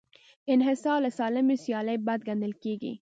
انحصار له سالمې سیالۍ بد ګڼل کېږي.